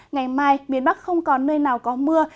ngày mai miền bắc không còn nơi nào có mưa